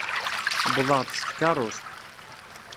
Uwḍeɣ-d s tkeṛṛust.